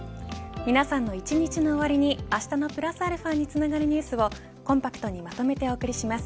皆さんの一日の終わりにあしたのプラスαにつながるニュースをコンパクトにまとめてお送りします。